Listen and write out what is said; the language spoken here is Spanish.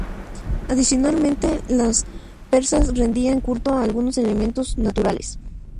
Adicionalmente, los persas rendían culto a algunos elementos naturales.